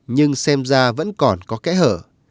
nhưng xem ra vẫn còn có kẽ hở